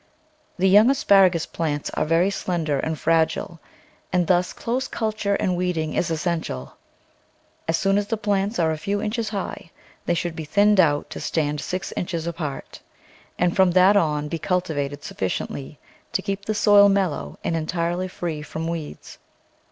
The young asparagus plants* are very slender and fragile, and thus close culture and weeding is essential. As soon as the plants are a few inches high, they should be thinned out to stand six inches apart, and from that on be cultivated sufficiently to keep the soil mellow and entirely free from weeds.